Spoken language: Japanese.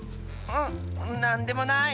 んなんでもない。